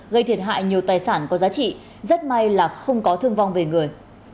gây thiệt hại nhiều tài sản có giá trị rất may là không có thương vong về người